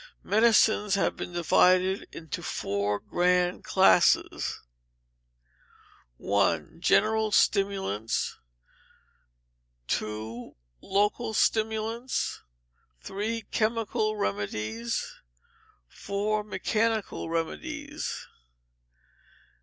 Medicines have been divided into four grand classes 1. General stimulants; 2. Local stimulants; 3. Chemical remedies; 4. Mechanical remedies.